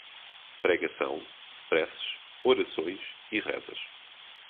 Pregação, preces, orações e rezas